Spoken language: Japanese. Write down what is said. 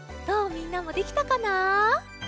みんなもできたかな？